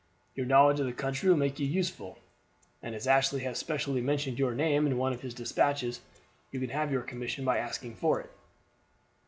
Your knowledge of the country will make you useful, and as Ashley has specially mentioned your name in one of his despatches, you can have your commission by asking for it.